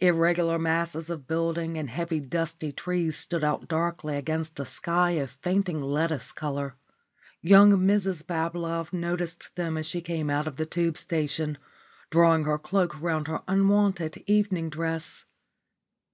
Irregular masses of buildings and heavy dusty trees stood out darkly against a sky of fainting lettuce colour. Young Mrs Bablove noticed them as she came out of the Tube station, drawing her cloak round her unwonted evening dress.